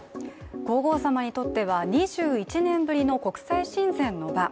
皇后さまにとっては２１年ぶりの国際親善の場。